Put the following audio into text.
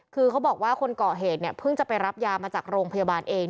คือเขาบอกว่าคนก่อเหตุเนี่ยเพิ่งจะไปรับยามาจากโรงพยาบาลเอง